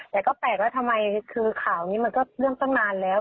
แต่ก็แปลกว่าทำไมคือข่าวนี้มันก็เรื่องตั้งนานแล้ว